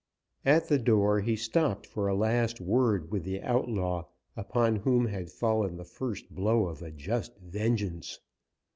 At the door he stopped for a last word with the outlaw, upon whom had fallen the first blow of a just vengeance.